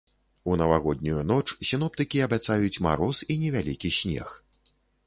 У навагоднюю ноч сіноптыкі абяцаюць мароз і невялікі снег.